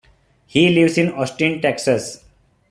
He lives in Austin, Texas.